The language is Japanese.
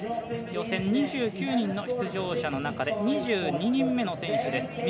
予選２９人の出場者の中で２２人目の選手です。